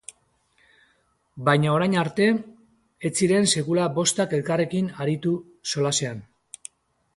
Baina orain arte, ez ziren sekula bostak elkarrekin aritu solasean.